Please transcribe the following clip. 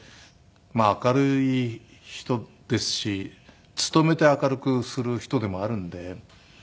明るい人ですし努めて明るくする人でもあるんで。